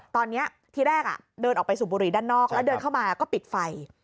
ตอนนี้ที่แรกเดินออกไปสูบบุหรี่ด้านนอกแล้วเดินเข้ามาก็ปิดไฟ